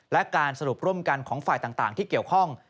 และการสรุปร่วมกันของฝ่ายต่างที่เกี่ยวข้อง